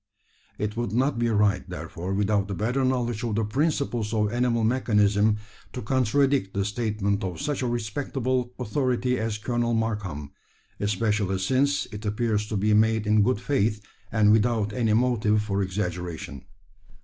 It would not be right, therefore, without a better knowledge of the principles of animal mechanism, to contradict the statement of such a respectable authority as Colonel Markham especially since it appears to be made in good faith, and without any motive for exaggeration.